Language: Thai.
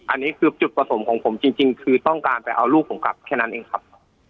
อันนี้คือจุดประสงค์ของผมจริงคือต้องการไปเอาลูกผมกลับแค่นั้นเองครับ